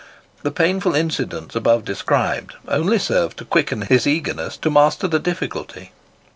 The painful incidents above described only served to quicken his eagerness to master the difficulty.